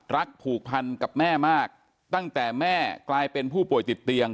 ผูกพันกับแม่มากตั้งแต่แม่กลายเป็นผู้ป่วยติดเตียง